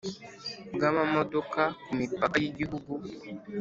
bw amamodoka ku mipaka y igihugu